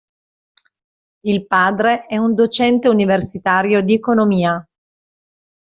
Il padre è un docente universitario di economia.